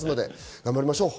頑張りましょう。